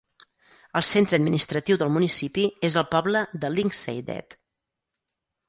El centre administratiu del municipi és el poble de Lyngseidet.